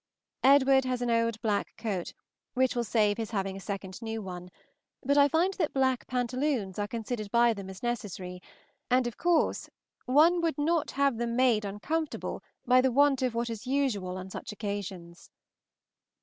Edward has an old black coat, which will save his having a second new one; but I find that black pantaloons are considered by them as necessary, and of course one would not have them made uncomfortable by the want of what is usual on such occasions.